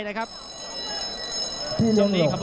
ติดตามยังน้อยกว่า